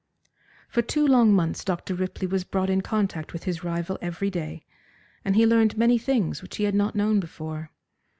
For two long months Dr. Ripley was brought in contact with his rival every day, and he learned many things which he had not known before.